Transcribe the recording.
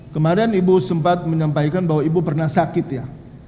kemarin ibu sempat menyampaikan bahwa ibu pernah sakit ya